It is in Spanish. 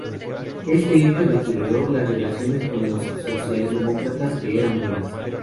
Este hecho deterioro las relaciones con los socialdemócratas que eran buenas.